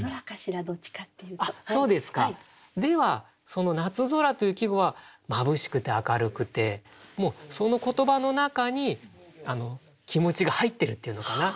その「夏空」という季語はまぶしくて明るくてもうその言葉の中に気持ちが入ってるっていうのかな。